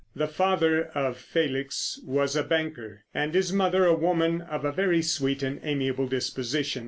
The father of Felix was a banker, and his mother a woman of a very sweet and amiable disposition.